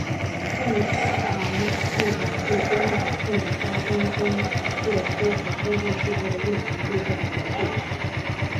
运行系统是公共交通中列车和公共汽车的运行路线的体系。